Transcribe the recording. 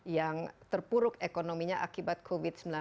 yang terpuruk ekonominya akibat covid sembilan belas